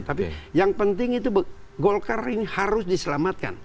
tapi yang penting itu gol karir harus diselamatkan